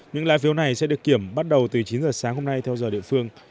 những lá phiếu này sẽ được kiểm bắt đầu từ chín giờ sáng hôm nay theo giờ địa phương